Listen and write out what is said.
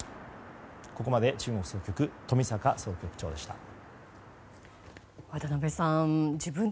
ここまで中国総局、冨坂総局長でした。